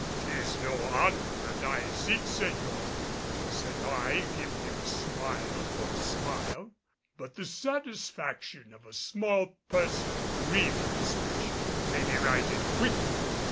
"'Tis no honor that I seek, señor," said I, giving him smile for smile, "but the satisfaction of a small personal grievance which may be righted quickly.